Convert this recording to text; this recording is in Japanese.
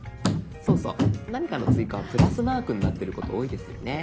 そうそう何かの追加はプラスマークになってること多いですよね。